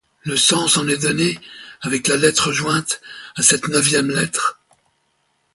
Le sens en est donné avec la lettre jointe à cette neuvième lettre.